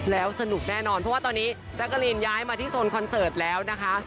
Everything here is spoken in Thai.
แล้วสนุกแน่นอนเพราะว่าตอนนี้แจ๊กกะลีนย้ายมาที่โซนคอนเสิร์ตแล้วนะคะ